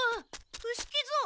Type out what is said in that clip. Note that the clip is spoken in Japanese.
伏木蔵。